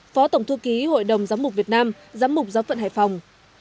phó tổng thư ký hội đồng giáo mục việt nam giáo mục giáo vận hải phòng